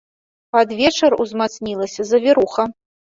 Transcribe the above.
Пад вечар узмацнілася завіруха.